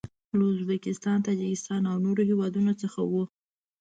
له ازبکستان، تاجکستان او نورو هیوادو څخه و.